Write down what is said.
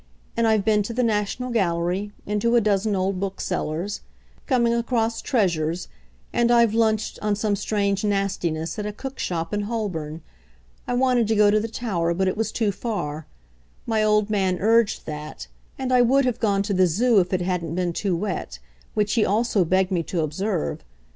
And I've been to the National Gallery, and to a dozen old booksellers', coming across treasures, and I've lunched, on some strange nastiness, at a cookshop in Holborn. I wanted to go to the Tower, but it was too far my old man urged that; and I would have gone to the Zoo if it hadn't been too wet which he also begged me to observe.